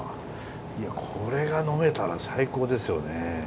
これが飲めたら最高ですよね。